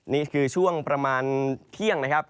นี่คือช่วงประมาณเที่ยงนะครับ